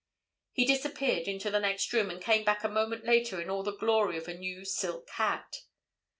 He disappeared into the next room and came back a moment later in all the glory of a new silk hat.